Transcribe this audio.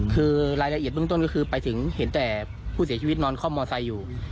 คือรายละเอียดเบื้องต้นก็คือไปถึงเห็นแต่ผู้เสียชีวิตนอนคล่อมมอไซค์อยู่